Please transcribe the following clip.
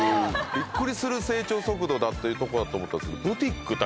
びっくりする成長速度だというとこかと思ったんですけど。